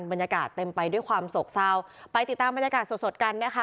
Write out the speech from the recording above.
บรรยากาศเต็มไปด้วยความโศกเศร้าไปติดตามบรรยากาศสดสดกันนะคะ